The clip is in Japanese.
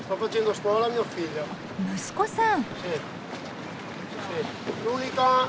息子さん。